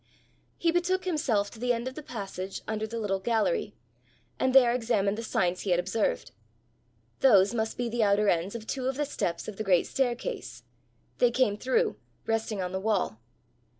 He betook himself to the end of the passage under the little gallery, and there examined the signs he had observed: those must be the outer ends of two of the steps of the great staircase! they came through, resting on the wall.